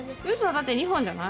だって２本じゃない？